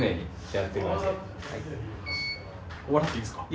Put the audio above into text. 笑っていいですか？